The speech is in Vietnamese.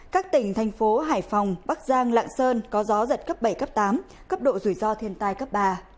các tỉnh thành phố hải phòng bắc giang lạng sơn có gió giật cấp bảy cấp tám cấp độ rủi ro thiên tai cấp ba